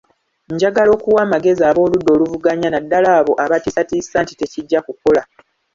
Njagala okuwa amagezi ab'oludda oluvuganya naddala abo abatiisatiisa nti tekijja kukola.